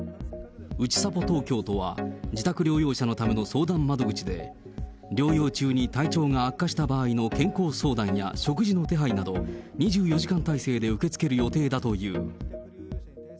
うちさぽ東京とは、自宅療養者のための相談窓口で、療養中に体調が悪化した場合の健康相談や食事の手配など、２４時間態勢で受け付ける予定だという。